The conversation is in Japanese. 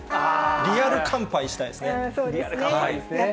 リアル乾杯したいですね。